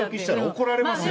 怒られますよ。